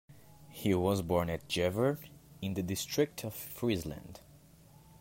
He was born at Jever in the District of Friesland.